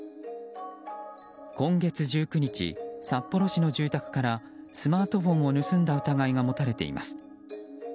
今月１９日、札幌市の住宅からスマートフォンを盗んだ疑いが持たれています。